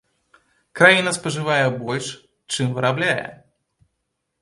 Краіна спажывае больш, чым вырабляе.